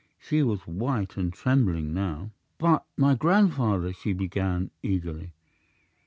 She was white and trembling now. "But my grandfather " she began, eagerly.